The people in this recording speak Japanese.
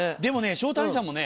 昇太兄さんもね